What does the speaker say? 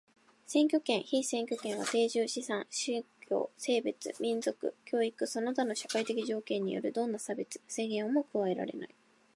選挙権、被選挙権は定住、資産、信教、性別、民族、教育その他の社会的条件によるどんな差別、制限をも加えられない。